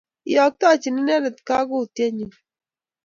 Iyoktochin inendet kagotyet nyu.